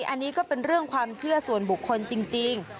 อันนี้ก็เป็นเรื่องความเชื่อส่วนบุคคลจริง